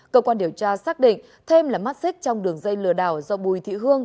cơ quan điều tra xác định thêm là mắt xích trong đường dây lừa đảo do bùi thị hương